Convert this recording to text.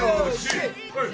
はい。